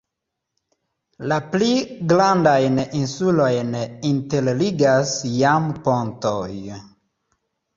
La pli grandajn insulojn interligas jam pontoj.